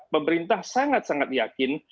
pemerintah sangat sangat yakin